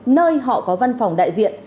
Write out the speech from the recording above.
nơi họ có văn phòng đại diện